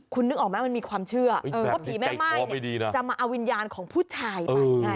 คุณนึกออกไหมมันมีความเชื่อว่าผีแม่ม่ายจะมาเอาวิญญาณของผู้ชายไปไง